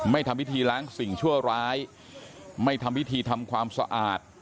ทำพิธีล้างสิ่งชั่วร้ายไม่ทำพิธีทำความสะอาด